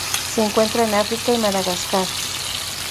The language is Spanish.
Se encuentra en África y Madagascar.